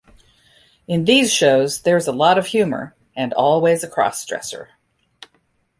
In these shows there's a lot of humor, and always a cross-dresser.